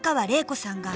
玲子さん！